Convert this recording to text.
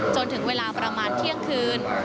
จนถึงเวลาประมาณเที่ยงคืน